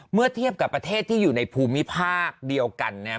เมื่อเทียบกับประเทศที่อยู่ในภูมิภาคเดียวกันนะครับ